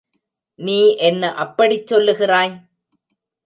நீ என்ன அப்படிச் சொல்லுகிறாய்?